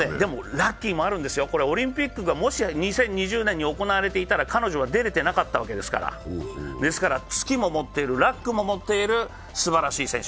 ラッキーもあるんですよ、オリンピックがもし２０２０年に行われていたら彼女は出れてなかったわけですから、つきも持っているラックも持っているすばらしい選手。